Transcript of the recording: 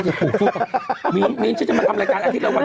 นี่นี่ฉันจะมาทำรายการอาทิตย์เดียวกว่า